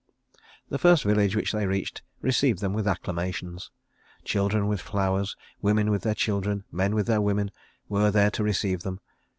The first village which they reached received them with acclamations. Children with flowers, women with their children, men with their women, were there to receive them.